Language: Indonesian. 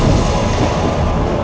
oranglah kata